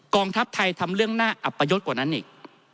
ทัพไทยทำเรื่องน่าอัปยศกว่านั้นอีก